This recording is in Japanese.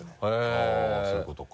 あぁそういうことか。